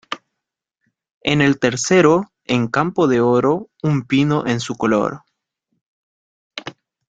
En el tercero, en campo de oro, un pino en su color.